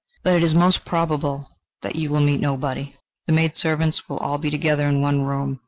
But it is most probable that you will meet nobody. The maidservants will all be together in one room.